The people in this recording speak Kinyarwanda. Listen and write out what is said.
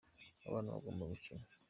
abana bagomba gukina.